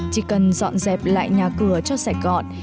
chỉ cần dọn dẹp lại nhà cửa cho sạch gọn